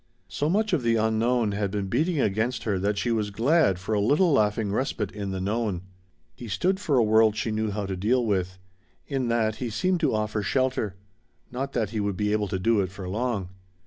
So much of the unknown had been beating against her that she was glad for a little laughing respite in the known. He stood for a world she knew how to deal with. In that he seemed to offer shelter; not that he would be able to do it for long.